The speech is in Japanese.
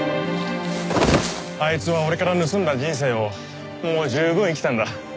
あいつは俺から盗んだ人生をもう十分生きたんだ。